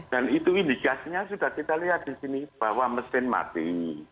dan itu indikasinya sudah kita lihat di sini bahwa mesin mati